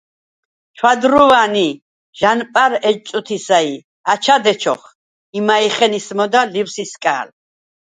ჩვადრუვან ი ჟ’ანპარ ეჯ წუთისა ი აჩად ეჩოხ, იმა̈ჲხენ ისმოდა ლივსისკა̈ლ.